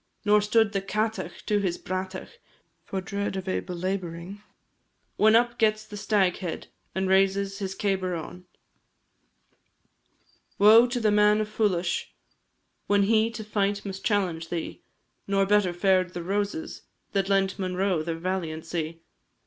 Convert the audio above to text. Nor stood the Cátach to his bratach For dread of a belabouring, When up gets the Staghead, And raises his cabar on. Woe to the man of Folais, When he to fight must challenge thee; Nor better fared the Roses That lent Monro their valiancy.